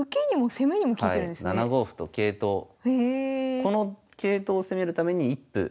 この桂頭を攻めるために一歩。